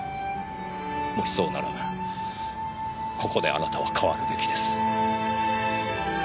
もしそうならここであなたは変わるべきです。